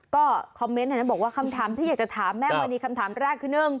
ก็คอมเมนต์แหละบอกว่าคำถามที่อยากจะถามแม่มันนี่คำถามแรกคือหนึ่ง